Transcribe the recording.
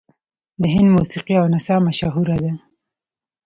د هند موسیقي او نڅا مشهوره ده.